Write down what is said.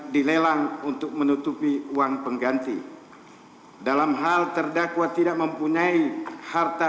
tiga menjatuhkan pidana kepada terdakwa dua subiharto